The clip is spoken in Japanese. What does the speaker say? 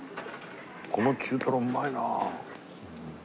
この中トロうまいなあ。